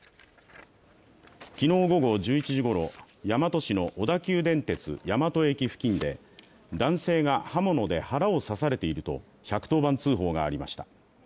昨日午後１１時ごろ大和市の小田急電鉄大和駅付近で男性が刃物で腹を刺されていると１１０番通報がありました。